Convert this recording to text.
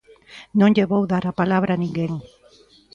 Non lle vou dar a palabra a ninguén.